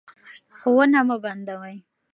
ښوونه مه بندوئ.